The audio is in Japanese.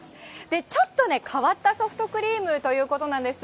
ちょっとね、変わったソフトクリームということなんです。